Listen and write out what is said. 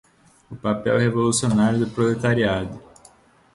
o papel revolucionário do proletariado